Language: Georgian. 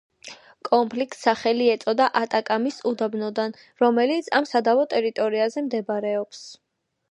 კონფლიქტს სახელი ეწოდა ატაკამის უდაბნოდან, რომელიც ამ სადავო ტერიტორიაზე მდებარეობს.